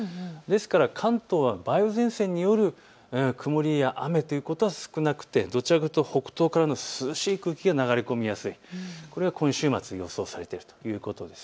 ですから関東は梅雨前線による曇りや雨ということは少なくてどちらかというと北東からの涼しい空気が流れ込みやすい、これが今週末に予想されています。